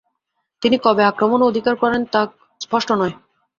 তিনি কবে আক্রমণ ও অধিকার করেন তা স্পষ্ট নয়।